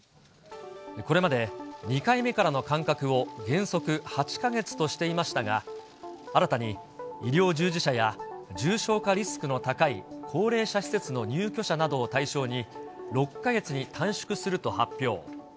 これまで２回目からの間隔を原則８か月としていましたが、新たに医療従事者や重症化リスクの高い高齢者施設の入居者などを対象に、６か月に短縮すると発表。